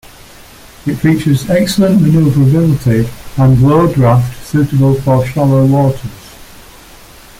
It features excellent maneuverability and low draft suitable for shallow waters.